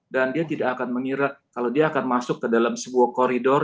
dan dia tidak akan mengira kalau dia akan masuk ke dalam sebuah koridor